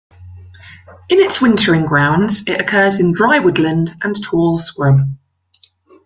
In its wintering grounds, it occurs in dry woodland and tall scrub.